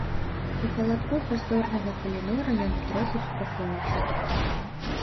У халадку прасторнага калідора ён трохі супакоіўся.